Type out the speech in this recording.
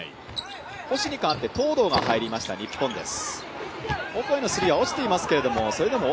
星に代わって東藤が入りました、日本です。